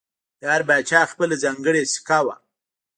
د هر پاچا خپله ځانګړې سکه وه